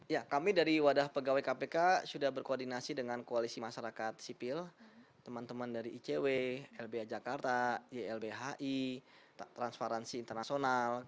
ya kami dari wadah pegawai kpk sudah berkoordinasi dengan koalisi masyarakat sipil teman teman dari icw lbh jakarta ylbhi transparansi internasional